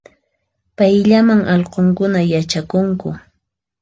Payllaman allqunkuna yachakunku